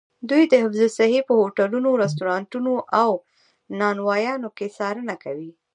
دوی د حفظ الصحې په هوټلونو، رسټورانتونو او نانوایانو کې څارنه کوي.